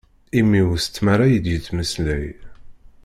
Immi-w s tmara i d-yettmeslay.